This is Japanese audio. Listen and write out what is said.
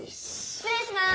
・失礼しまーす。